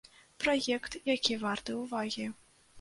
Праект, які варты ўвагі.